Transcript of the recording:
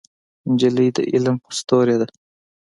نجلۍ د علم ستورې ده.